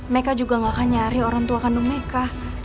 meka juga gak akan nyari orang tua kandung meka